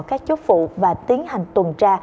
các chốt phụ và tiến hành tuần tra